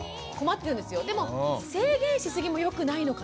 でも制限しすぎもよくないのかなとか。